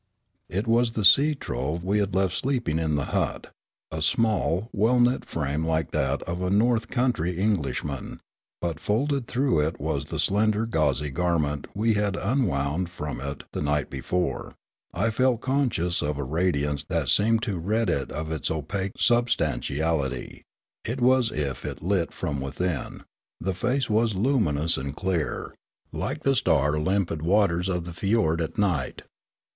It was the sea trove we had left sleeping in the hut ^a small, well knit frame like that of a north country Knglishman; but folded though it was in the slender gauzy garment we had unwound from it the night be fore, I felt conscious of a radiance that seemed to rid it of its opaque substantiality; it was as if lit from within ; the face was luminous and clear, like the star limpid waters of the fiord at night.